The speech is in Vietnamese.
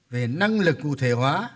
về năng lực cụ thể hóa